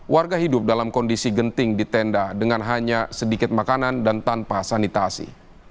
warga hidup dalam kondisi genting di tenda dengan hanya sedikit makanan dan tanpa sanitasi